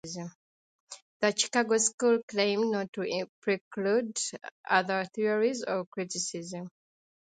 The Chicago School claimed not to preclude other theories of criticism.